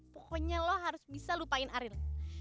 pokoknya lo harus bisa lupain aril